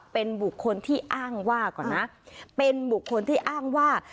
เป็นบุคคลที่อ้างว่าก่อนนะเป็นบุคคลที่อ้างว่า